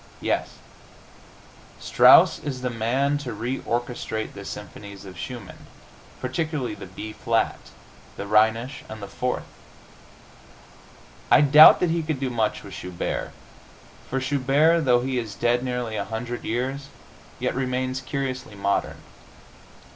Yes; Strauss is the man to reorchestrate the symphonies of Schumann, particularly the B flat, the Rhenish and the Fourth. I doubt that he could do much with Schubert, for Schubert, though he is dead nearly a hundred years, yet remains curiously modern.